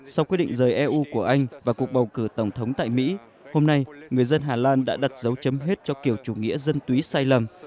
sau quyết định rời eu của anh và cuộc bầu cử tổng thống tại mỹ hôm nay người dân hà lan đã đặt dấu chấm hết cho kiểu chủ nghĩa dân túy sai lầm